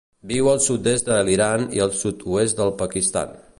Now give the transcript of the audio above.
Viu al sud-est de l'Iran i el sud-oest del Pakistan.